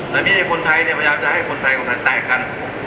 แต่นี่คนไทยมาจะให้คนไทยกับคนไทยแตกกัน